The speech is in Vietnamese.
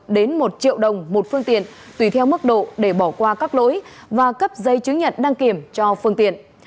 đến một triệu đồng một phương tiện tùy theo mức độ để bỏ qua các lỗi và cấp giấy chứng nhận đăng kiểm cho phương tiện